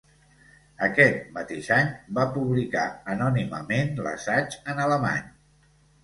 Aquest mateix any va publicar anònimament l'assaig en alemany.